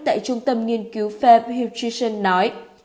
tại trung tâm nghiên cứu phép hutrition nói